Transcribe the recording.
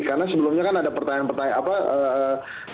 karena sebelumnya kan ada pertanyaan pertanyaan